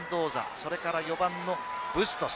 それから４番のブストス。